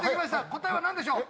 答えは何でしょう？